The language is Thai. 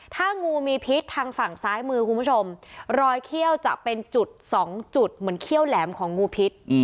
ถ้างูมีพิษทางฝั่งซ้ายมือคุณผู้ชมรอยเขี้ยวจะเป็นจุดสองจุดเหมือนเขี้ยวแหลมของงูพิษ